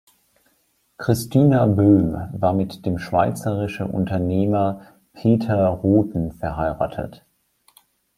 Kristina Böhm war mit dem schweizerische Unternehmer Peter Rothen verheiratet.